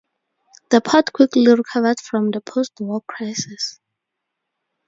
The port quickly recovered from the post-war crisis.